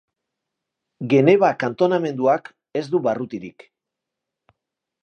Geneva kantonamenduak ez du barrutirik.